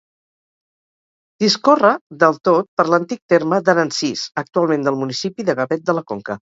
Discorre del tot per l'antic terme d'Aransís, actualment del municipi de Gavet de la Conca.